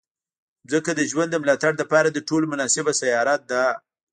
مځکه د ژوند د ملاتړ لپاره تر ټولو مناسبه سیاره ده.